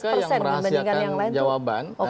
mereka yang merahasiakan jawaban